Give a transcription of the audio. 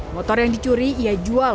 motor yang dicuri ia jual